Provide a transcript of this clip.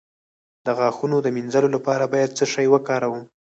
د غاښونو د مینځلو لپاره باید څه شی وکاروم؟